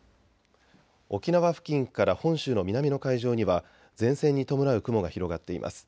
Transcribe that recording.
沖縄付近から本州の南の海上には前線に伴う雲が広がっています。